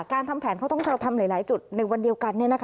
การทำแผนเขาต้องทำหลายจุดในวันเดียวกัน